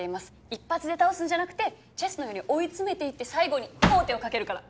一発で倒すんじゃなくてチェスのように追い詰めていって最後に王手をかけるから！